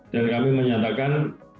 dan kami menyatakan